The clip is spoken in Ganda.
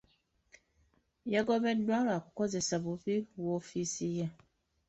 Yagobeddwa lwa kukozesa bubi woofiisi ye.